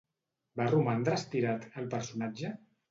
Va romandre estirat el personatge?